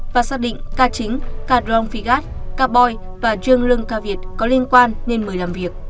và xác định ca chính ca drong phí gác ca poi và dương lương ca việt có liên quan nên mới làm việc